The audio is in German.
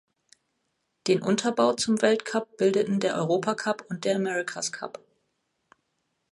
Den Unterbau zum Weltcup bildeten der Europacup und der America’s Cup.